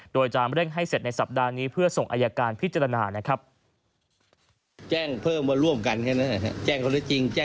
โดยจะเร่งให้เสร็จในสัปดาห์นี้เพื่อส่งอายการพิจารณานะครับ